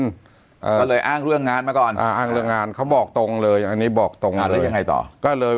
เขาเลยอ้างเรื่องงานมาก่อนอ้างเรื่องงานเขาบอกตรงเลยอันนี้บอกตรงเลย